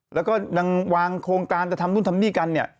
แล้วก็นางวางโครงการจะทำนู่นทำนี่กันเนี่ย